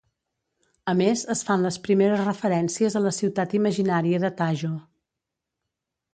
A més es fan les primeres referències a la ciutat imaginària de Tajo.